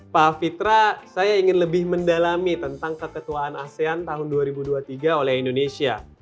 pak fitra saya ingin lebih mendalami tentang keketuaan asean tahun dua ribu dua puluh tiga oleh indonesia